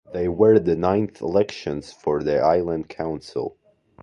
They were the ninth elections for the Island Council.